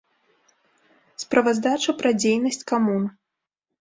Справаздача пра дзейнасць камун.